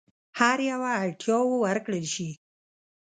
هر یوه اړتیاوو ورکړل شي.